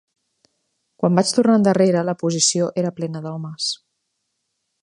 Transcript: Quan vaig tornar endarrere, la posició era plena d'homes